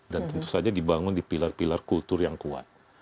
dan tentu saja dibangun di pilar pilar kultur yang kuat